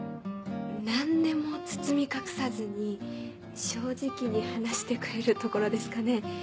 何でも包み隠さずに正直に話してくれるところですかね。